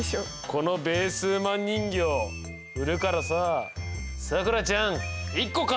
このベー数マン人形売るからさあさくらちゃん１個買ってくんな！